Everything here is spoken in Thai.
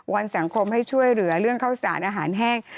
อนสังคมให้ช่วยเหลือเรื่องข้าวสารอาหารแห้ง